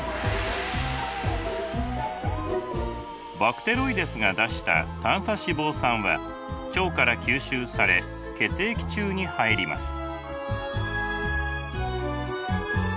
バクテロイデスが出した短鎖脂肪酸は腸から吸収され血液中に入ります。